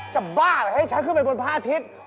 บ้าหรือให้ฉันขึ้นไปบนพระอาทิตย์